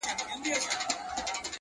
• پر قبرونو مو خدای ایښی برکت دی ,